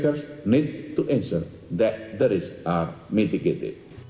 polisi perlu menjawab bahwa risiko itu diberkati